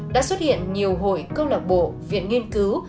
đã xuất hiện nhiều hội câu lạc bộ viện nghiên cứu